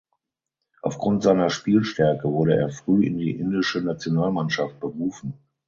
Aufgrund seiner Spielstärke wurde er früh in die indische Nationalmannschaft berufen.